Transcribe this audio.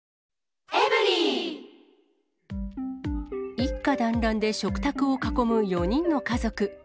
一家団らんで食卓を囲む４人の家族。